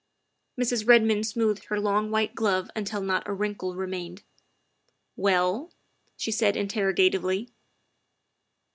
Mrs. Redmond smoothed her long white glove until not a wrinkle remained. " Well?" she said interrogatively.